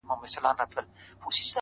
نن شپه د ټول كور چوكيداره يمه~